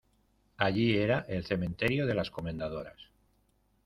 allí era el cementerio de las Comendadoras.